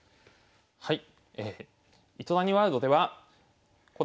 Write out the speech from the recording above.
はい。